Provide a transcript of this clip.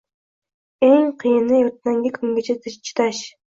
Eng qiyiniertangi kungacha chidash